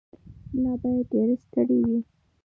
ملا باید ډېر ستړی وي.